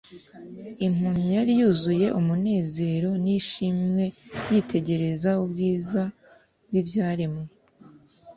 Impumyi yari yuzuye umunezero n'ishimwe yitegereza ubwiza bw'ibyaremwe,